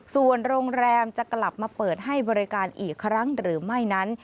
ส่วนโรงแรมจะกลับมาเปิดให้บริการอีกครั้งหรือไม่นั้น